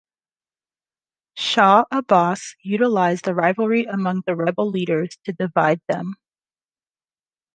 Shah Abbas utilised the rivalry among the rebel leaders to divide them.